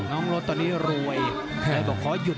น้องโรสตอนนี้รวย